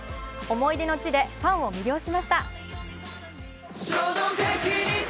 思い出の地でファンを魅了しました。